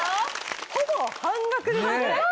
ほぼ半額ですね。